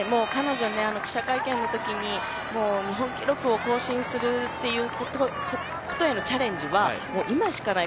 記者会見の時に日本記録を更新するということへのチャレンジは今しかない。